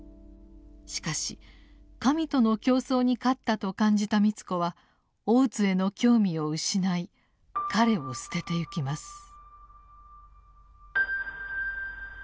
しかし神との競争に勝ったと感じた美津子は大津への興味を失い彼を棄ててゆきます。